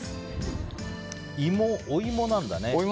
お芋なんだね。